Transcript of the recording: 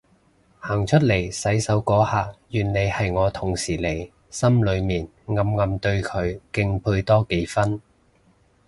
行出嚟洗手嗰下原來係我同事嚟，心裏面暗暗對佢敬佩多幾分